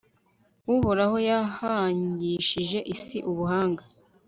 uhoraho yahangishije isi ubuhanga